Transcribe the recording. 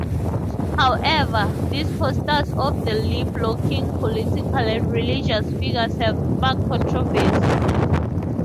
However, these posters of the lip-locking political and religious figures have sparked controversy.